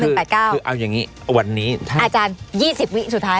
คือเอาอย่างนี้วันนี้อาจารย์๒๐วิสุดท้าย